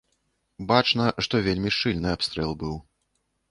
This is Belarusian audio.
Бачна, што вельмі шчыльны абстрэл быў.